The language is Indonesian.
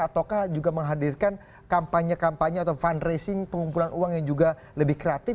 ataukah juga menghadirkan kampanye kampanye atau fundraising pengumpulan uang yang juga lebih kreatif